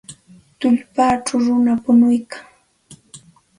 Tullpawmi runa punuykan.